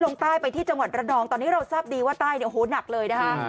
ลงใต้ไปที่จังหวัดระนองตอนนี้เราทราบดีว่าใต้เนี่ยโอ้โหหนักเลยนะคะ